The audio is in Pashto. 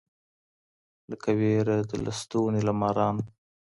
لکه وېره د لستوڼي له مارانو